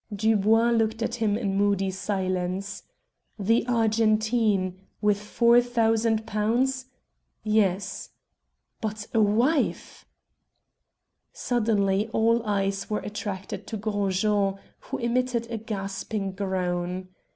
Dubois looked at him in moody silence. The Argentine with £4,000? Yes. But a wife! Suddenly all eyes were attracted to Gros Jean, who emitted a gasping groan.